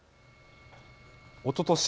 おととし